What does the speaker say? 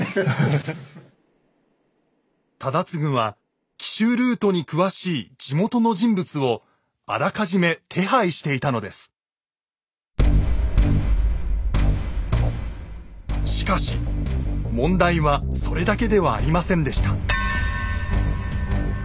忠次は奇襲ルートに詳しい地元の人物をあらかじめ手配していたのですしかし問題はそれだけではありませんでした